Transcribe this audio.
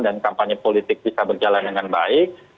dan kampanye politik bisa berjalan dengan baik